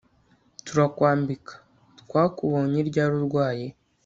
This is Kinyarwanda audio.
turakwambika twakubonye ryari urwaye